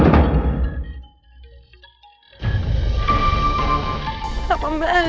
aku gak bisa hidup tanpa kamu